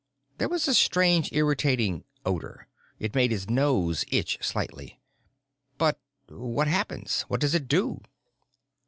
There was a strange, irritating odor: it made his nose itch slightly. "But what happens? What does it do?"